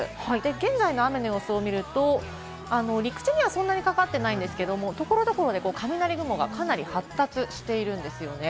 現在の雨の様子を見ると、陸地にはあまりかかっていないんですけれども、所々で雷雲がかなり発達しているんですよね。